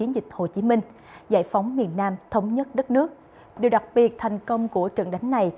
điều đặc biệt thành công của trận đánh này